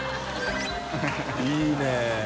いいね。